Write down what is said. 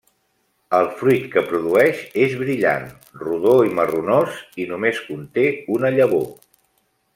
El fruit que produeix és brillant, rodó i marronós, i només conté una llavor.